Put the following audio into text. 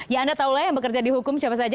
ya anda tahu lah yang bekerja di hukum siapa saja